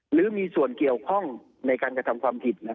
หรือมีส่วนเกี่ยวข้องในการกระทำความผิด